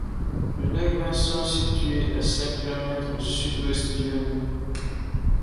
Le lac Vincent est situé à cinq kilomètres au sud-ouest du hameau.